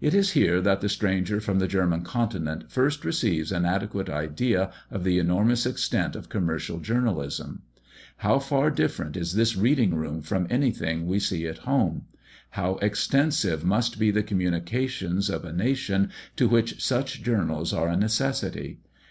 It is here that the stranger from the German continent first receives an adequate idea of the enormous extent of commercial journalism. How far different is this reading room from anything we see at home? How extensive must be the communications of a nation to which such journals are a necessity!